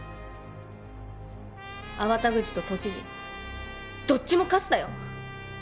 粟田口と都知事どっちもカスだよ！